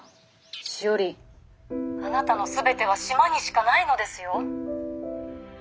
しおりあなたの全ては島にしかないのですよ。